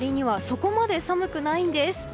そこまで寒くないんです。